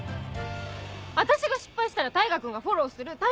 私が失敗したら大牙君がフォローする。